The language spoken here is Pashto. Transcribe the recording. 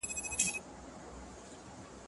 زه به سبا د کتابتوننۍ سره مرسته وکړم!؟